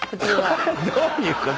どういうこと？